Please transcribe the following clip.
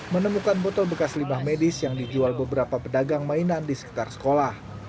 menemukan botol bekas limbah medis yang dijual beberapa pedagang mainan di sekitar sekolah